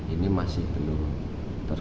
ini masih belum terkontrol